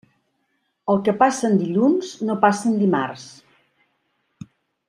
El que passa en dilluns no passa en dimarts.